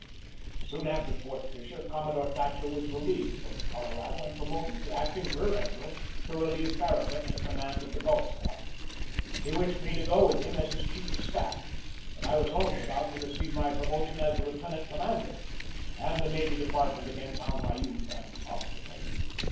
Soon after Fort Fisher Commodore Thatcher was relieved from the Colorado and promoted to act ing rear admiral to relieve Farragut in command of the Gulf Squadron. He wished me to go with him as his chief of staff, but I was only about to receive my promotion as lieutenant commander, and the Navy Department again found my youth an ob stacle.